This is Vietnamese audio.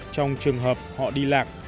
trong trường hợp họ đi lạc